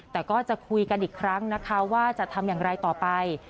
แต่ก็จะคุยกันอีกครั้งนะคะว่าจะทำอย่างไรต่อไป